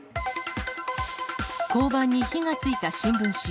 交番に火がついた新聞紙。